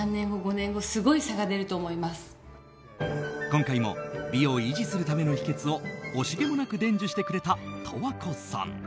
今回も美を維持するための秘訣を惜しげもなく伝授してくれた十和子さん。